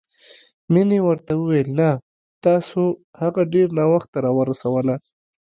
مينې ورته وويل نه، تاسو هغه ډېره ناوخته راورسوله.